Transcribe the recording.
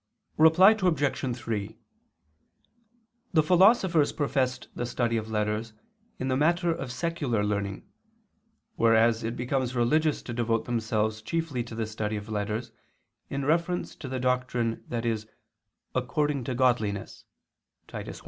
Reply Obj. 3: The philosophers professed the study of letters in the matter of secular learning: whereas it becomes religious to devote themselves chiefly to the study of letters in reference to the doctrine that is "according to godliness" (Titus 1:1).